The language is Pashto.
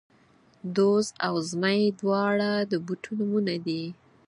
دوز او زمۍ، دواړه د بوټو نومونه دي